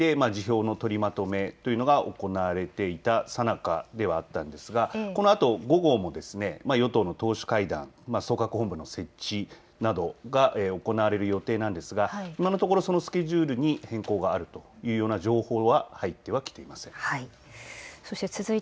閣議において辞表の取りまとめというのが行われていたさなかではあったんですが、このあと午後も与党の党首会談、組閣本部の設置などが行われる予定なんですが今のところそのスケジュールに変更があるというような情報は入ってきてはいません。